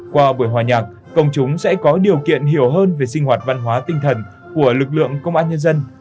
qua buổi hòa nhạc công chúng sẽ có điều kiện hiểu hơn về sinh hoạt văn hóa tinh thần của lực lượng công an nhân dân